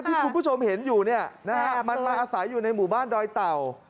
ที่คุณผู้ชมเห็นอยู่เนี่ยนะฮะมันมาอาศัยอยู่ในหมู่บ้านดอยเต่า